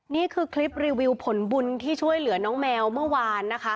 นี่คือคลิปรีวิวผลบุญที่ช่วยเหลือน้องแมวเมื่อวานนะคะ